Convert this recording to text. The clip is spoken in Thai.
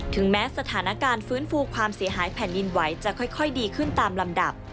แม้สถานการณ์ฟื้นฟูความเสียหายแผ่นดินไหวจะค่อยดีขึ้นตามลำดับ